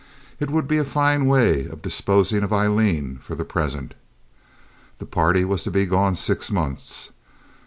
It would be a fine way of disposing of Aileen for the present. The party was to be gone six months.